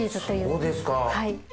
そうですか。